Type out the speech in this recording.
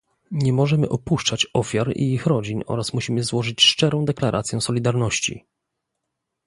Nie możemy opuszczać ofiar i ich rodzin oraz musimy złożyć szczerą deklarację solidarności